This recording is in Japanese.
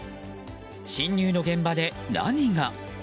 侵入の現場で何が。